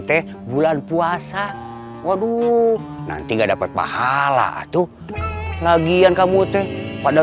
teh bulan puasa waduh nanti gak dapet pahala atuh lagian kamu teh pada